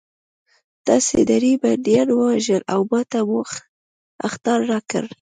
تاسې درې بندیان ووژل او ماته مو اخطار راکړ